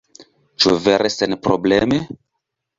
Ĉu vere senprobleme?